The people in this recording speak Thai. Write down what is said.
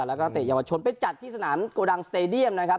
แล้วก็เตะเยาวชนไปจัดที่สนามโกดังสเตดียมนะครับ